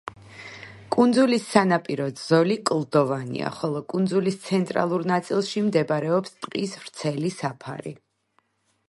კუნძულის სანაპირო ზოლი კლდოვანია, ხოლო კუნძულის ცენტრალურ ნაწილში მდებარეობს ტყის ვრცელი საფარი.